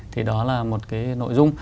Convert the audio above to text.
thì đó là một cái nội dung